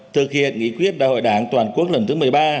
thực hiện nghị quyết đại hội đảng toàn quốc lần thứ một mươi ba